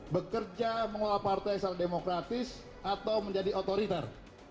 bekerja mengolah partai yang sangat demokratis atau menjadi otoriter